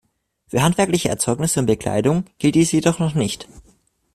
Für handwerkliche Erzeugnisse und Bekleidung gilt dies jedoch noch nicht.